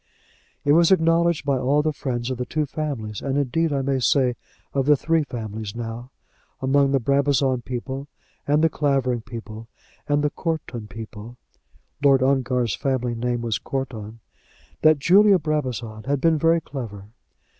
It was acknowledged by all the friends of the two families, and indeed I may say of the three families now among the Brabazon people, and the Clavering people, and the Courton people, Lord Ongar's family name was Courton, that Julia Brabazon had been very clever.